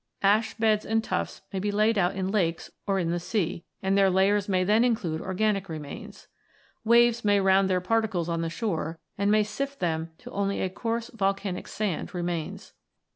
Ash beds and tuffs may be laid out in lakes or in the sea, and their layers may then include organic remains. Waves may round their particles on the shore, and may sift them till only a coarse volcanic sand remains.